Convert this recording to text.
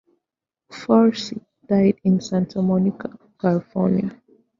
Folsey died in Santa Monica, California.